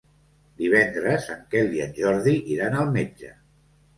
Divendres en Quel i en Jordi iran al metge.